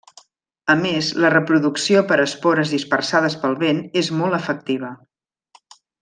A més la reproducció per espores dispersades pel vent és molt efectiva.